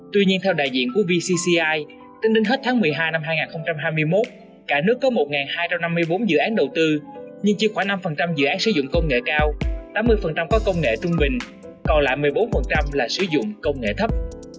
tuy nhiên theo đại diện của vcci tính đến hết tháng một mươi hai năm hai nghìn hai mươi một cả nước có một hai trăm năm mươi bốn dự án đầu tư nhưng chỉ khoảng năm dự án sử dụng công nghệ cao tám mươi có công nghệ trung bình còn lại một mươi bốn là sử dụng công nghệ thấp